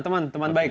teman teman baik